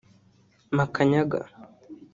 Makanyaga